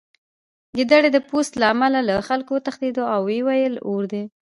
ګیدړې د پوست له امله له خلکو وتښتېده او ویې ویل اور دی